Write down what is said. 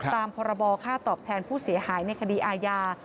พรบค่าตอบแทนผู้เสียหายในคดีอาญา